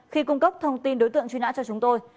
khi cung cấp thông tin đối tượng truy nã cho chúng tôi